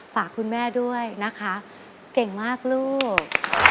ฝากคุณแม่ด้วยนะคะเก่งมากลูก